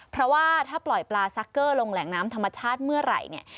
เพราะว่าถ้าปล่อยปลาซักเกอร์ลงแหล่งน้ำธรรมชาติเมื่อไหร่เนี่ย